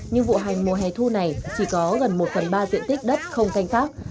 nhưng vụ hành mùa hè thu này chỉ có gần một phần ba diện tích đất không canh tác